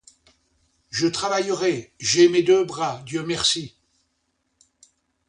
Je travaillerai; j'ai mes deux bras, Dieu merci!